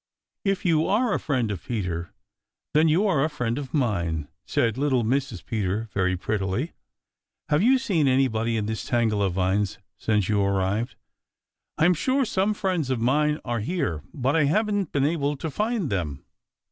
"If you are a friend of Peter, then you are a friend of mine." said little Mrs. Peter very prettily. "Have you seen anybody in this tangle of vines since you arrived? I am sure some friends of mine are here, but I haven't been able to find them."